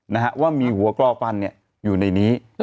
นะฮะว่ามีหัวกรอฟันเนี่ยอยู่ในนี้